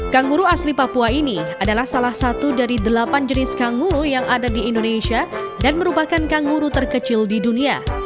kangguru ini merupakan spesies asli indonesia dan merupakan kangguru terkecil di dunia